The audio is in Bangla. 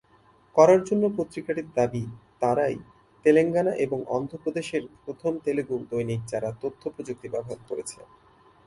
করার জন্য পত্রিকাটির দাবি, তারাই তেলেঙ্গানা এবং অন্ধ্র প্রদেশের প্রথম তেলুগু দৈনিক যারা তথ্য প্রযুক্তি ব্যবহার করেছে।